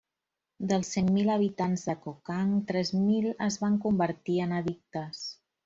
Dels cent mil habitants de Kokang, tres mil es van convertir en addictes.